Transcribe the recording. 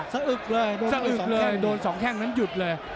สะอึกเลยโดนสองแข่งนั้นหยุดเลย